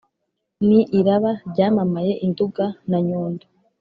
Ni iraba ryamamaye i Nduga na Nyundo.